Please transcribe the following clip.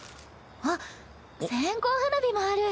わっ線香花火もある。